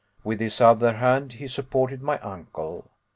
With his other hand he supported my uncle.